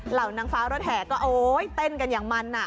เหล่านางฟ้ารถแห่ก็เต้นกันอย่างมันน่ะ